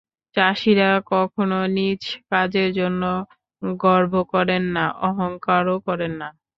চাষীরা কখনো নিজ কাজের জন্য গর্ব করেন না, অহংকারও করেন না।